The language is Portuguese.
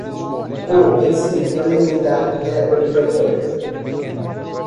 O ensino elementar é obrigatório.